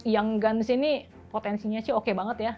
yang guns ini potensinya sih oke banget ya